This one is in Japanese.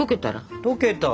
溶けたら。